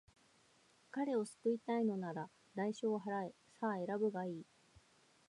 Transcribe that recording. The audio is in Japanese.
彼を救いたいのなら、代償を払え。さあ、選ぶがいい。